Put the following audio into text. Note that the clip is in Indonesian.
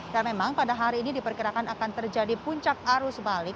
dan memang pada hari ini diperkirakan akan terjadi puncak arus balik